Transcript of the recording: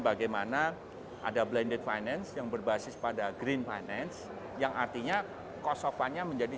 bagaimana ada blended finance yang berbasis pada green finance yang artinya cost of fund nya menjadi